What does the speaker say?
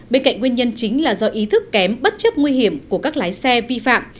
bên cạnh nguyên nhân chính là do ý thức kém bất chấp nguy hiểm của các lái xe vi phạm